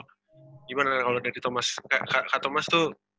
bagaimana kalau dari kak thomas itu